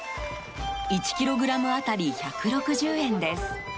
１ｋｇ当たり１６０円です。